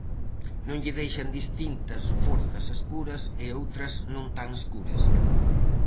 Non lle deixan distintas forzas escuras e outras non tan escuras.